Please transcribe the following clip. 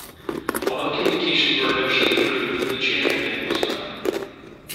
Although communications were eventually improved, the chain of command was not.